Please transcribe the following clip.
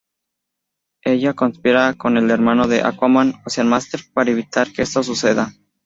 Ella conspira con el hermano de Aquaman Ocean Master, para evitar que esto suceda.